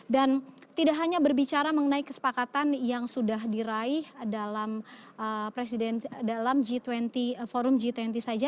dan tidak hanya berbicara mengenai kesepakatan yang sudah diraih dalam forum g dua puluh saja